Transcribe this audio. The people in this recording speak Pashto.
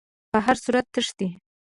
په هر صورت تښتي.